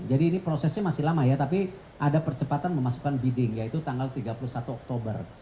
jadi ini prosesnya masih lama ya tapi ada percepatan memasukkan bidding yaitu tanggal tiga puluh satu oktober